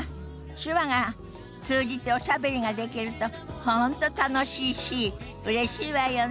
手話が通じておしゃべりができると本当楽しいしうれしいわよね。